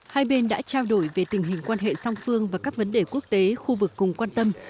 hai bên đã trao đổi về tình hình quan hệ song phương và các vấn đề quốc tế khu vực cùng quan tâm